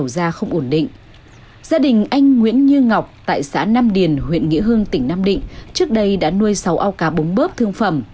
gia đình anh nguyễn như ngọc tại xã nam điền huyện nghĩa hương tỉnh nam định trước đây đã nuôi sáu ao cá bống bớp thương phẩm